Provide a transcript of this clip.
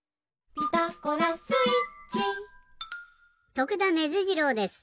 徳田ネズ次郎です。